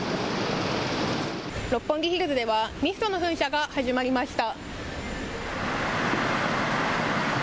六本木ヒルズではミストの噴射が始まりました。